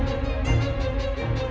baiklah saya liat